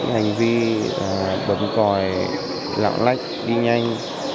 hành vi bấm còi lặng lách đi nhanh